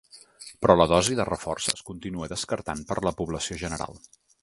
Però la dosi de reforç es continua descartant per a la població general.